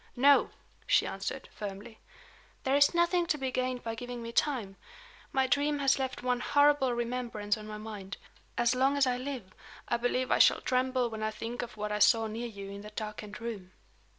"No," she answered, firmly. "There is nothing to be gained by giving me time. My dream has left one horrible remembrance on my mind. As long as I live, I believe I shall tremble when I think of what I saw near you in that darkened room."